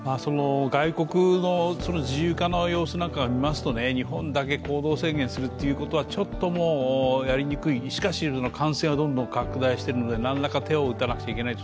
外国の自由化の様子なんか見ますと日本だけ行動制限するということは、ちょっとやりにくい、しかし、感染はどんどん拡大していくので、何らかの手は打たなければならない。